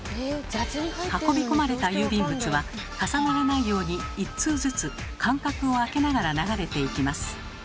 運び込まれた郵便物は重ならないように一通ずつ間隔をあけながら流れていきます。